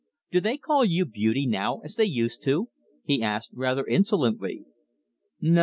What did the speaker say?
"Do they call you Beauty now as they used to?" he asked, rather insolently. "No.